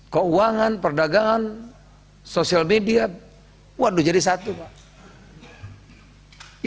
keuangan perdagangan sosial media waduh jadi satu pak